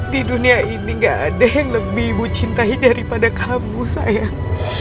di dunia ini gak ada yang lebih ibu cintai daripada kamu sayang